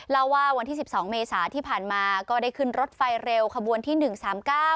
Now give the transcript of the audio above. เล่าว่าวันที่สิบสองเมษาที่ผ่านมาก็ได้ขึ้นรถไฟเร็วขบวนที่หนึ่งสามเก้า